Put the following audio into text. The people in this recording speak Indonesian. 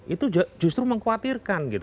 itu justru mengkhawatirkan